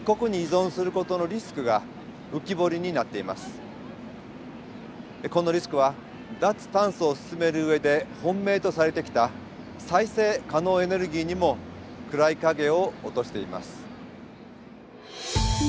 このリスクは脱炭素を進める上で本命とされてきた再生可能エネルギーにも暗い影を落としています。